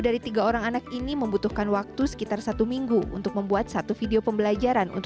dalam memberikan materi pembelajaran